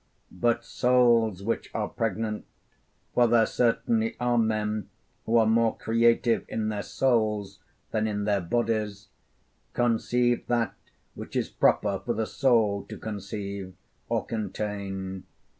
But souls which are pregnant for there certainly are men who are more creative in their souls than in their bodies conceive that which is proper for the soul to conceive or contain.